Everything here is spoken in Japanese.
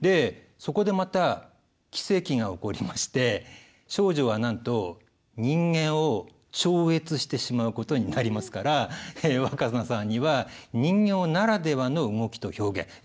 そこでまた奇跡が起こりまして丞相はなんと人間を超越してしまうことになりますから若菜さんには人形ならではの動きと表現